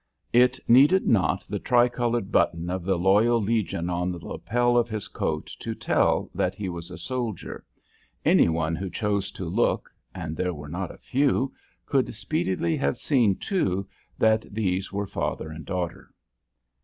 It needed not the tri colored button of the Loyal Legion in the lapel of his coat to tell that he was a soldier. Any one who chose to look and there were not a few could speedily have seen, too, that these were father and daughter.